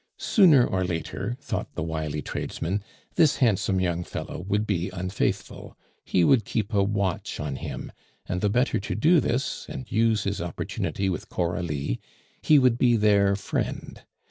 Sooner or later, thought the wily tradesman, this handsome young fellow would be unfaithful; he would keep a watch on him; and the better to do this and use his opportunity with Coralie, he would be their friend.